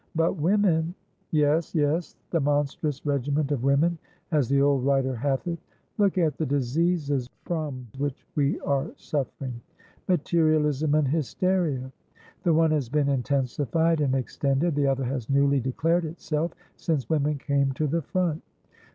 But women?" "Yes, yes, the 'monstrous regiment of women,' as the old writer hath it. Look at the diseases from which we are sufferingmaterialism and hysteria. The one has been intensified and extended, the other has newly declared itself, since women came to the front.